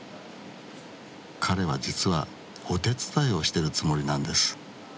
彼は実はお手伝いをしてるつもりなんです。